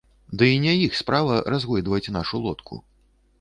Дый не іх справа разгойдваць нашу лодку.